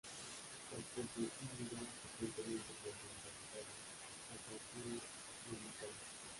La especie hibrida frecuentemente con su emparentada "Acanthurus nigricans".